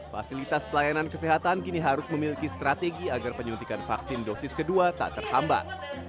fasilitas pelayanan kesehatan kini harus memiliki strategi agar penyuntikan vaksin dosis kedua tak terhambat